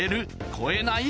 超えない？